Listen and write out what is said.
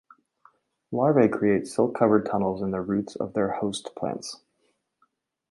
Larvae create silk covered tunnels in the roots of their host plants.